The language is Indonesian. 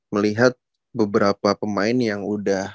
melihat beberapa pemain yang udah